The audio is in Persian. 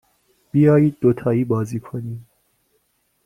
بیایید دوتایی بازی کنیم.